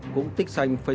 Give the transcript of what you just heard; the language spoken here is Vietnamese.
cũng tích xanh facebook